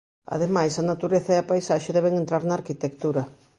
Ademais, a natureza e a paisaxe deben entrar na arquitectura.